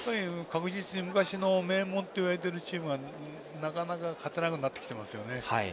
昔の名門といわれているチームが勝てなくなってきていますね。